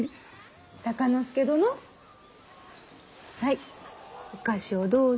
敬之助殿はいお菓子をどうぞ。